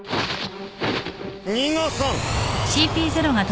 逃がさん。